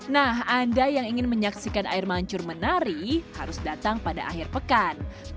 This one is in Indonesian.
nah anda yang ingin menyaksikan air mancur menari harus datang pada akhir pekan